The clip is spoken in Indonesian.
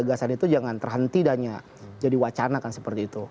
gagasan itu jangan terhenti dan jadi wacana kan seperti itu